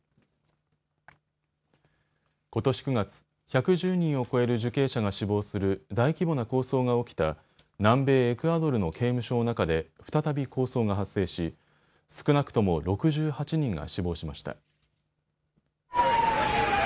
ことし９月、１１０人を超える受刑者が死亡する大規模な抗争が起きた南米エクアドルの刑務所の中で再び抗争が発生し少なくとも６８人が死亡しました。